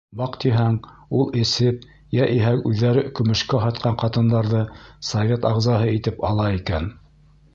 Баҡтиһәң, ул эсеп йә иһә үҙҙәре көмөшкә һатҡан ҡатындарҙы совет ағзаһы итеп ала икән.